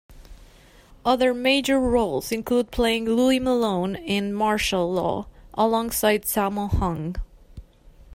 Other major roles include playing Louis Malone in "Martial Law" alongside Sammo Hung.